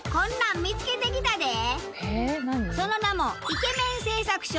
その名も「イケメン製作所」。